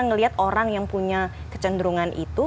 ngelihat orang yang punya kecenderungan itu